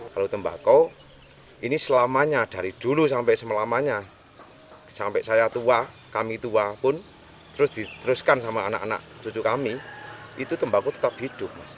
kalau tembakau ini selamanya dari dulu sampai semelamanya sampai saya tua kami tua pun terus diteruskan sama anak anak cucu kami itu tembakau tetap hidup mas